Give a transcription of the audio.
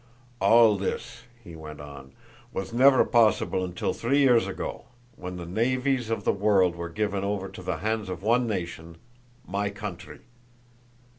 "All this," he went on, "was never possible until three years ago, when the navies of the world were given over into the hands of one nation my country.